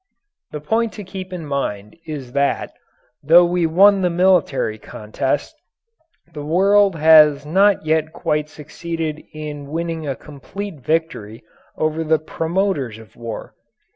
The point to keep in mind is that, though we won the military contest, the world has not yet quite succeeded in winning a complete victory over the promoters of war.